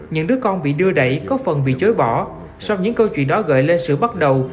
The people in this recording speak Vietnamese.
những đứa con bị đưa đẩy có phần bị chối bỏ sau những câu chuyện đó gợi lên sự bắt đầu